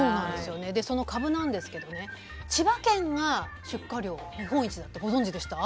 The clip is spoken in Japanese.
でそのかぶなんですけどね千葉県が出荷量日本一だってご存じでした？